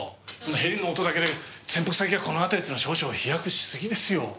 ヘリの音だけで潜伏先がこの辺りっていうのは少々飛躍し過ぎですよ。